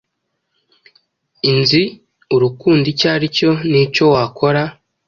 inzi urukundo icyo aricyo nicyo wakora